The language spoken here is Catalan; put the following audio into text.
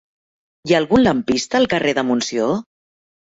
Hi ha algun lampista al carrer de Montsió?